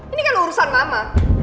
ini kan urusan mama